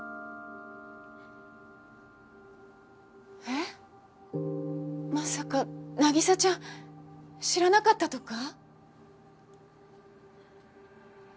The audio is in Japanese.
えまさか凪沙ちゃん知らなかったとか？